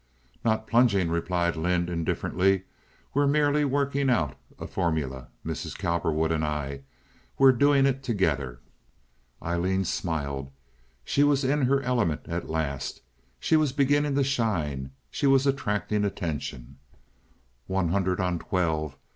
"Not plunging," replied Lynde, indifferently. "We're merely working out a formula—Mrs. Cowperwood and I. We're doing it together." Aileen smiled. She was in her element at last. She was beginning to shine. She was attracting attention. "One hundred on twelve.